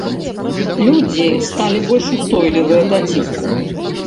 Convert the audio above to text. Людзі сталі больш устойлівыя да ціску.